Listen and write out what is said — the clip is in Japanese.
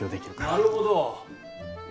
なるほど。